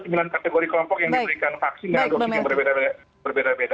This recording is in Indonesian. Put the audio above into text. di salah satu kelompok yang kemudian dosisnya itu